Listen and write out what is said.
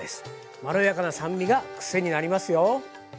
まろやかな酸味が癖になりますよ。